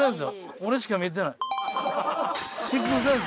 俺しか見えてない。